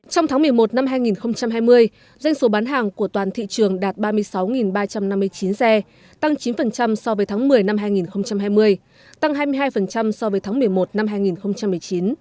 trong tháng một mươi một năm hai nghìn hai mươi doanh số bán hàng của toàn thị trường đạt ba mươi sáu ba trăm năm mươi chín xe tăng chín so với tháng một mươi năm hai nghìn hai mươi tăng hai mươi hai so với tháng một mươi một năm hai nghìn một mươi chín